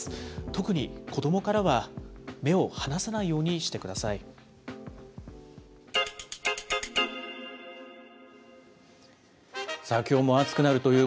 特に子どもからは目を離さないようにしてください。